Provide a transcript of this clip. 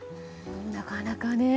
なかなかね。